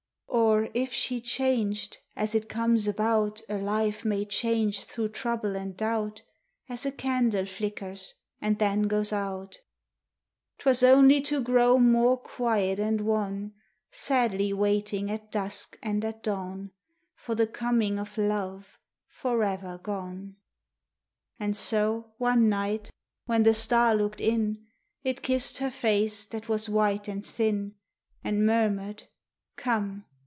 Or, if she changed, as it comes about A life may change through trouble and doubt, As a candle flickers and then goes out, 'Twas only to grow more quiet and wan, Sadly waiting at dusk and at dawn For the coming of love forever gone. And so, one night, when the star looked in, It kissed her face that was white and thin, And murmured, "Come!